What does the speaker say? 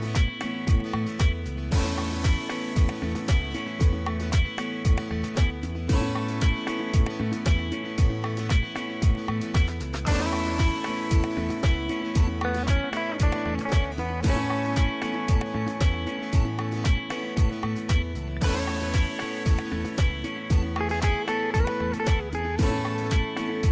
สวัสดีครับ